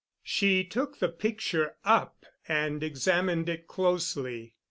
She took the picture up and examined it closely.